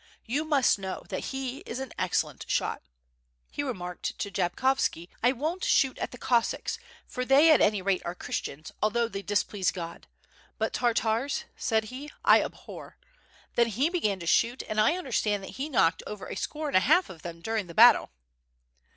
You must know that he is an excellent shot. He remarked to Jabkovski: *I won't shoot at the Cossacks, for they at any rate are Christians, although they displease God; but Tartars,' said he, 'I abhor.' Then he began to shoot, and I understand that he knocked over a score and a half of them during the battle."